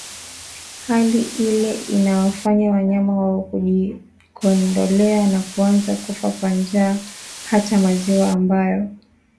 Hali ile iliwafanya wanyama wao kujikondoea na kuanza kufa kwa njaa Hata maziwa ambayo